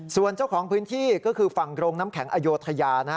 ส่วนเจ้าของพื้นที่ก็คือฝั่งโรงน้ำแข็งอโยธยานะฮะ